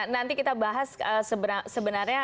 nanti kita bahas sebenarnya